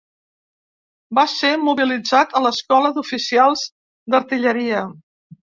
Va ser mobilitzat a l'Escola d'oficials d'artilleria.